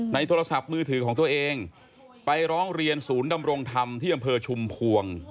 โทรศัพท์มือถือของตัวเองไปร้องเรียนศูนย์ดำรงธรรมที่อำเภอชุมพวง